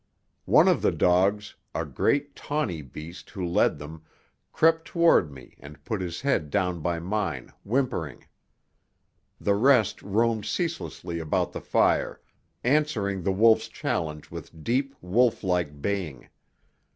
One of the dogs, a great, tawny beast who led them, crept toward me and put his head down by mine, whimpering. The rest roamed ceaselessly about the fire, answering the wolf's challenge with deep, wolf like baying.